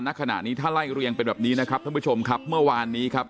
ณขณะนี้ถ้าไล่เรียงเป็นแบบนี้นะครับท่านผู้ชมครับเมื่อวานนี้ครับ